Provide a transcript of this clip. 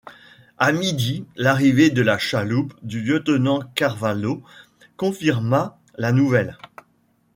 À midi, l'arrivée de la chaloupe du lieutenant Carvalho confirma la nouvelle.